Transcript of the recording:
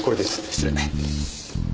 失礼。